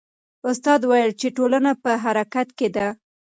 استاد وویل چې ټولنه په حرکت کې ده.